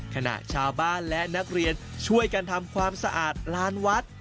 ขณะชาวบ้านและนักเรียนช่วยกันทำความสะอาดลานวัด